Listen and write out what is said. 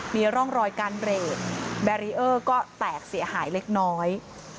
มีร่องรอยการเบรกแบรีเออร์ก็แตกเสียหายเล็กน้อย